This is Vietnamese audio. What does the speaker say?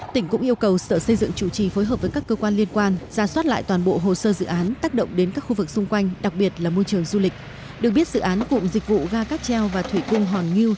tỉnh cũng yêu cầu sở xây dựng chủ trì phối hợp với các cơ quan liên quan ra soát lại toàn bộ hồ sơ dự án tác động đến các khu vực xung quanh đặc biệt là môi trường du lịch